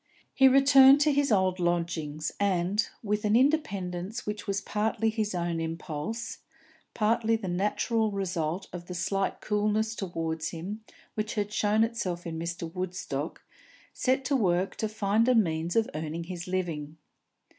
He returned to his old lodgings, and, with an independence which was partly his own impulse, partly the natural result of the slight coolness towards him which had shown itself in Mr. Woodstock, set to work to find a means of earning his living.